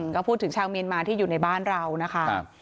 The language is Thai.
ก็พูดถึงชาวเมียนมาที่อยู่ในบ้านเรานะคะ